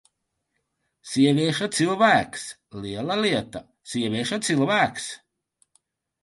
Sievieša cilvēks! Liela lieta: sievieša cilvēks!